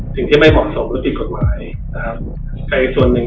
สิ่งที่ไม่เหมาะสมให้ไว้กดหมายครับใครส่วนหนึ่ง